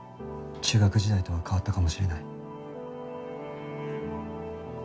中学時代とは変わったかもしれない。